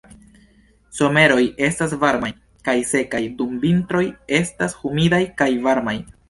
Someroj estas varmaj kaj sekaj, dum vintroj estas humidaj kaj malvarmaj.